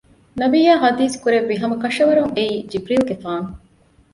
ނަބިއްޔާ ޙަދީޘް ކުރެއްވި ހަމަކަށަވަރުން އެއީ ޖިބްރީލުގެފާނު